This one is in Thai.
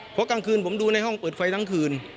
เพราะกลางคืนผมดูในห้องเปิดไฟทั้งคืน